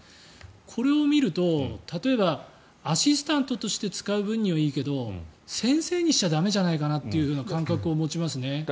これを見ると例えばアシスタントとして使う分にはいいけど先生にしては駄目じゃないかなという感覚を持ちますね。